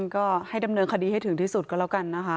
ก็ให้ดำเนินคดีให้ถึงที่สุดก็แล้วกันนะคะ